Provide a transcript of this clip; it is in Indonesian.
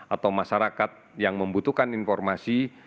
atau masyarakat yang membutuhkan informasi